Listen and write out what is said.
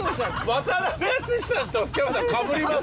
渡辺篤史さんと福山さんかぶります？